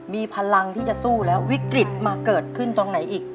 มีพลังที่จะสู้แล้ววิกฤตมาเกิดขึ้นตรงไหนอีก